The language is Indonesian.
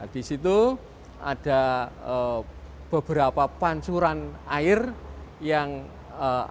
di situ ada beberapa pansuran air yang berbeda